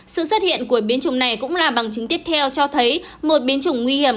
sự xuất hiện của biến chủng này cũng là bằng chứng tiếp theo cho thấy một biến chủng nguy hiểm